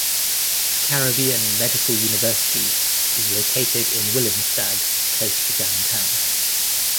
Caribbean Medical University is located in Willemstad - close to downtown.